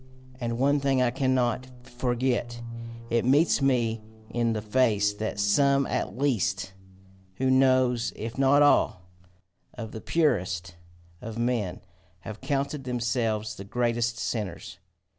And one thing I cannot forget it meets me in the face that some at least, who knows if not all? of the purest of men have counted themselves the greatest sinners!